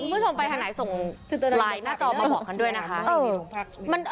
คุณผู้ชมไปทางไหนส่งไลน์หน้าจอมาบอกกันด้วยนะคะ